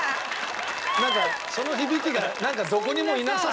なんかその響きがどこにもいなさそうなんだよね。